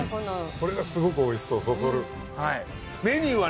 これがすごくおいしそうそそる。